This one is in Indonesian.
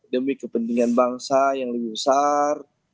demi kepentingan bangsa yang lebih besar